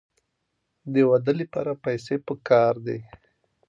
د واده لپاره پیسې پکار دي.